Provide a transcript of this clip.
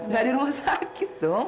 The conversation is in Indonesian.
gak di rumah sakit dong